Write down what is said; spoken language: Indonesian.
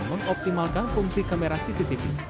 mengoptimalkan fungsi kamera cctv